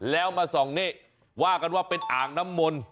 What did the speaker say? แล้วมาส่องนี่ว่ากันว่าเป็นอ่างน้ำมนต์